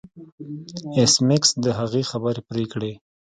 ایس میکس د هغې خبرې پرې کړې